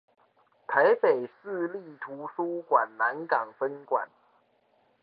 臺北市立圖書館南港分館